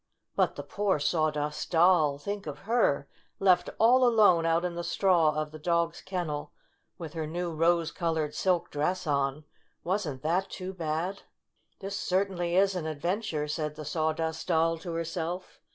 But the poor Sawdust Doll ! Think of her left all alone out in the straw of the dog's kennel, with her new rose colored silk dress on ! Wasn't that too bad ?' 6 This certainly is an adventure!" said the Sawdust Doll to herself.